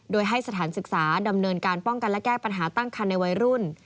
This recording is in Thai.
โดยให้สถานศึกษาดำเนินการป้องกันและแก้ปัญหาตั้งคันในวัยรุ่น